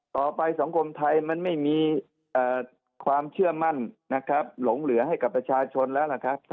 ต่อไปสังคมไทยมันไม่มีความเชื่อมั่นหลงเหลือให้กับประชาชนแล้ว